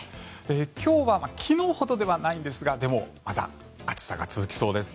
今日は昨日ほどではないですがでもまだ暑さが続きそうです。